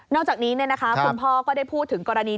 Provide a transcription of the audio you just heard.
อกจากนี้คุณพ่อก็ได้พูดถึงกรณี